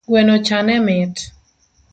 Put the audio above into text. Gwenocha ne mit